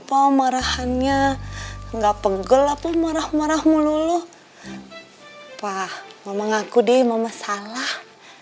pao marahannya nggak pegel aku marah marah mulu mulu pak mama ngaku deh mama salah